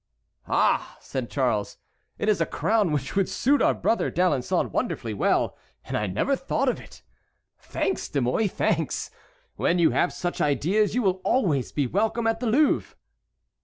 "Ah!" said Charles, "it is a crown which would suit our brother D'Alençon wonderfully well. And I never thought of it! Thanks, De Mouy, thanks! When you have such ideas you will always be welcome at the Louvre."